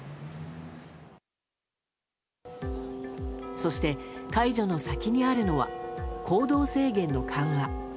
そして解除の先にあるのは行動制限の緩和。